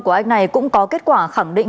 của anh này cũng có kết quả khẳng định